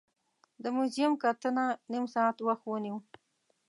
د موزیم کتنه نیم ساعت وخت ونیو.